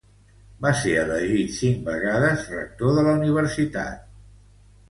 Va ser elegit cinc vegades rector de la universitat.